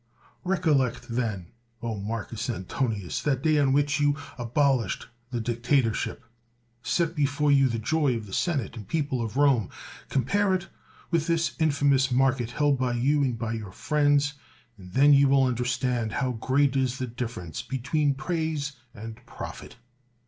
Recollect then, O Marcus Antonius, that day on which you abolished the dictatorship. Set before you the joy of the senate and people of Rome; compare it with this infamous market held by you and by your friends, and then you will understand how great is the difference be tween praise and profit.